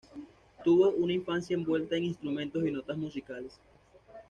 Tuvo una infancia envuelta en instrumentos y notas musicales.